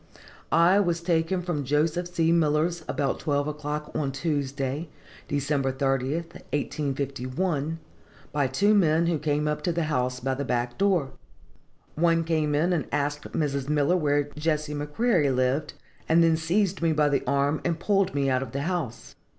_ "I was taken from Joseph C. Miller's about twelve o'clock on Tuesday (Dec. 30th, 1851), by two men who came up to the house by the back door. One came in and asked Mrs. Miller where Jesse McCreary lived, and then seized me by the arm, and pulled me out of the house.